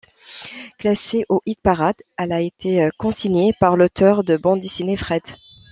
Classée au hit-parade, elle a été cosignée par l'auteur de bande dessinée Fred.